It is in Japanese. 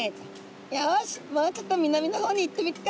よしもうちょっと南の方に行ってみっか！」。